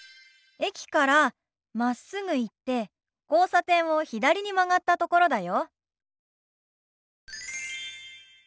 駅からまっすぐ行って交差点を左に曲がったところだよ。